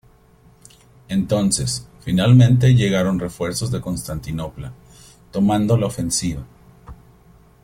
Entonces, finalmente llegaron refuerzos de Constantinopla, tomando la ofensiva.